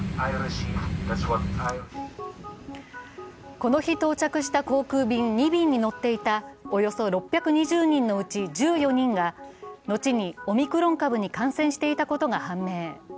この日、到着した航空便２便に乗っていたおよそ６２０人のうち１４人が後にオミクロン株に感染していたことが判明。